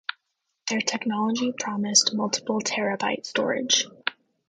Their technology promised multiple terabyte storage.